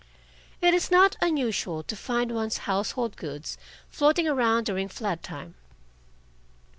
It is not unusual to find one's household goods floating around during flood time.